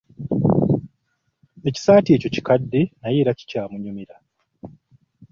Ekisaati ekyo kikadde naye era kikyamunyumira.